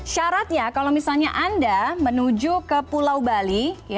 syaratnya kalau misalnya anda menuju ke pulau bali